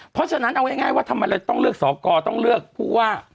เพราะฉะนั้นเอาง่ายว่าทำไมเราต้องเลือกสอกรต้องเลือกผู้ว่า